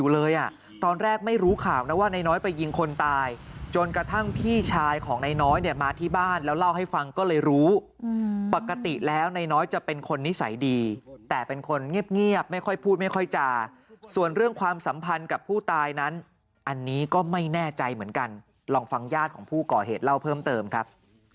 เลยอ่ะตอนแรกไม่รู้ข่าวนะว่านายน้อยไปยิงคนตายจนกระทั่งพี่ชายของนายน้อยเนี่ยมาที่บ้านแล้วเล่าให้ฟังก็เลยรู้ปกติแล้วนายน้อยจะเป็นคนนิสัยดีแต่เป็นคนเงียบไม่ค่อยพูดไม่ค่อยจาส่วนเรื่องความสัมพันธ์กับผู้ตายนั้นอันนี้ก็ไม่แน่ใจเหมือนกันลองฟังญาติของผู้ก่อเหตุเล่าเพิ่มเติมครับ